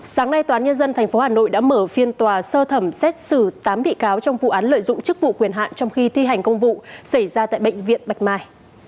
sáng nay tòa án nhân dân tp hà nội đã mở phiên tòa sơ thẩm xét xử tám bị cáo trong vụ án lợi dụng chức vụ quyền hạn trong khi thi hành công vụ xảy ra tại bệnh viện bạch mai